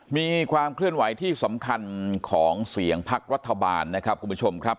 มีความเคลื่อนไหวที่สำคัญของเสียงพักรัฐบาลนะครับคุณผู้ชมครับ